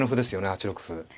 ８六歩。